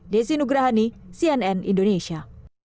desi nugrahani cnn indonesia